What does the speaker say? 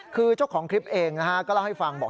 คือเจ้าของคลิปเองนะฮะก็เล่าให้ฟังบอก